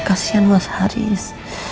kasian mas haris